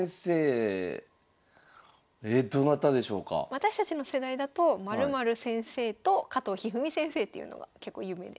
私たちの世代だと○○先生と加藤一二三先生っていうのが結構有名で。